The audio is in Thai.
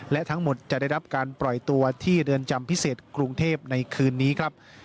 และทั้งหมดจะได้รับการปล่อยตัวที่เรือนจำพิเศษกรุงเทพในคืนนี้ครับ